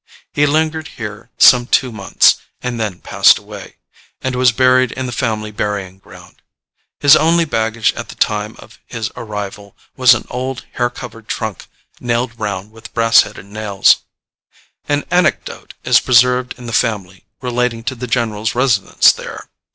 He lingered here some two months, and then passed away, and was buried in the family burying ground. His only baggage at the time of his arrival was an old hair covered trunk nailed round with brass headed nails. An anecdote is preserved in the family relating to the general's residence there.